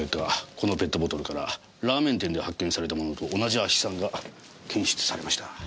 このペットボトルからラーメン店で発見されたものと同じ亜ヒ酸が検出されました。